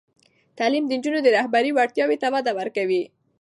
تعلیم د نجونو د رهبري وړتیاوو ته وده ورکوي.